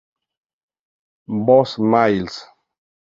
Vos, miles".